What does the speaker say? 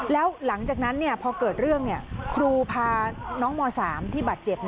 แล้วหลังจากนั้นพอเกิดเรื่องครูพาน้องม๓ที่บาดเจ็บ